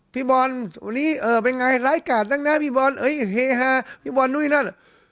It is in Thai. พี่บอลวันนี้เป็นไงรายการด้านหน้าพี่บอลเฮฮ่พี่บอลด้วยนั่น